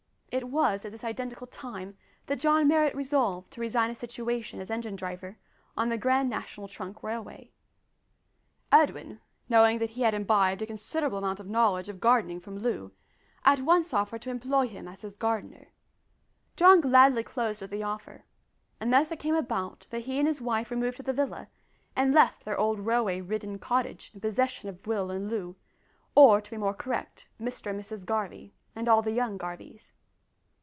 It was at this identical time that John Marrot resolved to resign his situation as engine driver on the Grand National Trunk Railway. Edwin, knowing that he had imbibed a considerable amount of knowledge of gardening from Loo, at once offered to employ him as his gardener; John gladly closed with the offer, and thus it came about that he and his wife removed to the villa and left their old railway ridden cottage in possession of Will and Loo or, to be more correct, Mr and Mrs Garvie, and all the young Garvies.